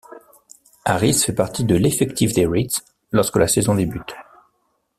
Harris fait partie de l'effectif des Reds lorsque la saison débute.